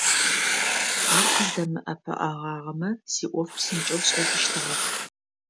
Ар къыздэмыӀэпыӀэгъагъэмэ, сиӀоф псынкӀэу сшӀэшъущтыгъэп.